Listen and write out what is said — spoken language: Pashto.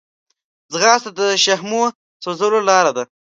ځغاسته د شحمو سوځولو لاره ده